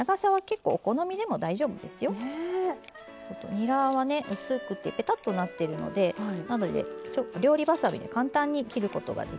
にらはね薄くてぺたっとなってるので料理ばさみで簡単に切ることができます。